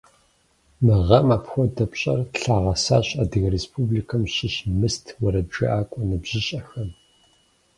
Мы гъэм апхуэдэ пщӏэр лъагъэсащ Адыгэ Республикэм щыщ «Мыст» уэрэджыӏакӏуэ ныбжьыщӏэхэм.